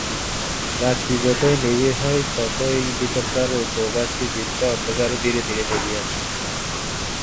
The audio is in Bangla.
রাত্রি যতই নিবিড় হয় ততই ভিতরকার উপবাসী জীবটা অন্ধকারে ধীরে ধীরে বেরিয়ে আসে।